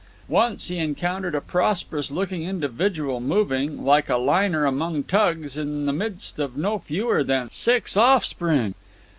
Once he encountered a prosperous looking individual moving, like a liner among tugs, in the midst of no fewer than six offspring.